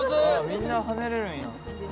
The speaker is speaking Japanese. みんな跳ねれるんや。